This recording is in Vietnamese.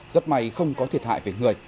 rất may không có thiệt hại về người